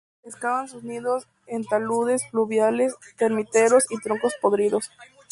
Excavan sus nidos en taludes fluviales, termiteros y troncos podridos.